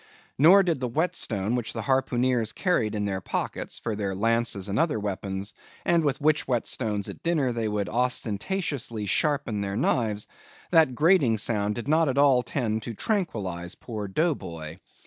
Nor did the whetstone which the harpooneers carried in their pockets, for their lances and other weapons; and with which whetstones, at dinner, they would ostentatiously sharpen their knives; that grating sound did not at all tend to tranquillize poor Dough Boy.